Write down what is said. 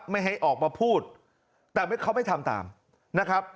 ไม่ให้ออกมาพูดแต่เขาไม่ทำตามนะครับ